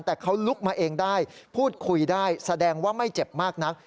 แต่เขาลุกมาเองได้พูดคุยได้แสดงว่าไม่เจ็บมากนัก